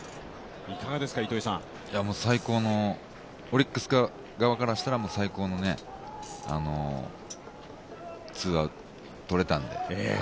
オリックス側からしたら最高のツーアウトが取れたんで。